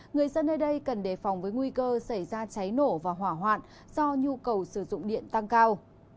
người dân nơi đây cần đề phòng với nguy cơ xảy ra cháy nổ và hỏa hoạn do nhu cầu sử dụng điện tăng cao